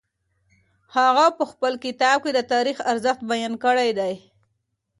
هغه په خپل کتاب کي د تاریخ ارزښت بیان کړی دی.